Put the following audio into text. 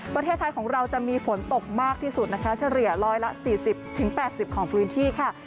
ประเทศไทยของเราจะมีฝนตกมากที่สุดนะคะเฉลี่ย๑๔๐๘๐ของพื้นที่ค่ะ